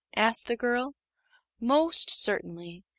asked the girl. "Most certainly.